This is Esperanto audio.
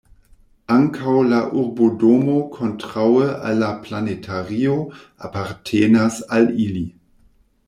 Ankaŭ la urbodomo kontraŭe al la planetario apartenas al ili.